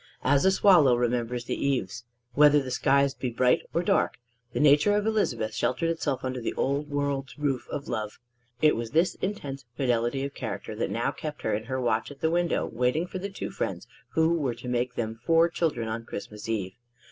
As a swallow remembers the eaves whether the skies be bright or dark, the nature of Elizabeth sheltered itself under the old world's roof of love. It was this intense fidelity of character that now kept her in her watch at the window, waiting for the two friends who were to make them four children on Christmas Eve.